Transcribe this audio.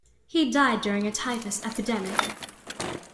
He died during a typhus epidemic.